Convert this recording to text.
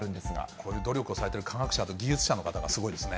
こういう努力をされてる科学者と技術者の方がすごいですね。